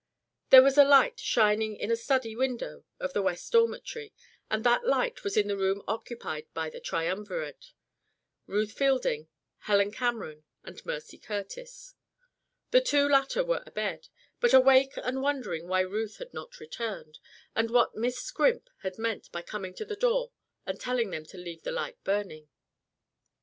There was a light shining in a study window of the West Dormitory and that light was in the room occupied by the Triumvirate Ruth Fielding, Helen Cameron and Mercy Curtis. The two latter were abed, but awake and wondering why Ruth had not returned, and what Miss Scrimp had meant by coming to the door and telling them to leave the light burning.